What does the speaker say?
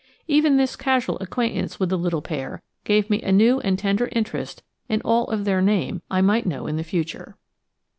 Even this casual acquaintance with the little pair gave me a new and tender interest in all of their name I might know in future.